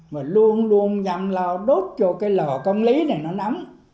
mà luôn luôn nhằm lò đốt vô cái lò công lý này nó nắm